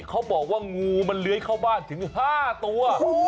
เขาบอกว่างูมันเลื้อยเข้าบ้านถึง๕ตัว